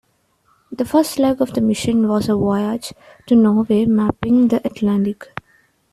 The first leg of the mission was a voyage to Norway mapping the Atlantic.